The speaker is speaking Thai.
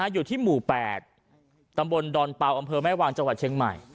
อยู่ที่หมู่๘ตำบลดอนเปล่าอำเภอแม่วางจังหวัดเชียงใหม่